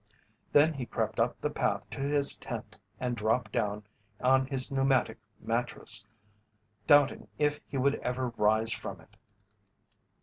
Then he crept up the path to his tent and dropped down on his pneumatic mattress, doubting if he ever would rise from it.